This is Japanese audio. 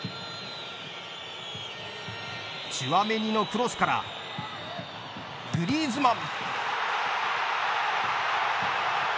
チュアメニのクロスからグリーズマン。